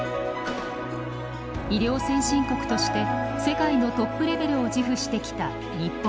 医療先進国として世界のトップレベルを自負してきた日本。